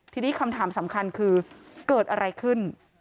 ทีนี้คำถามสำคัญคือเกิดอะไรขึ้น